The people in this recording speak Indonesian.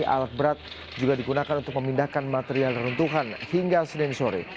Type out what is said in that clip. alat berat juga digunakan untuk memindahkan material reruntuhan hingga senin sore